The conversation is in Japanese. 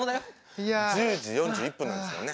１０時４１分なんですもんね